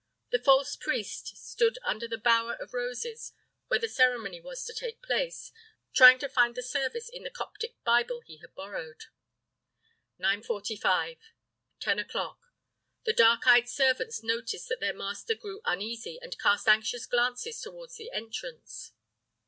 The false priest stood under the bower of roses where the ceremony was to take place, trying to find the service in the Coptic Bible he had borrowed. Nine forty five; ten o'clock. The dark eyed servants noticed that their master grew uneasy and cast anxious glances toward the entrance.